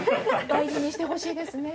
大事にしてほしいですね。